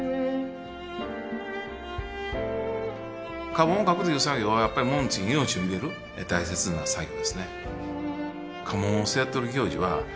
家紋を描くという作業はやっぱり紋付に命を入れる大切な作業ですね